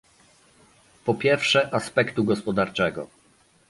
Po pierwsze aspektu gospodarczego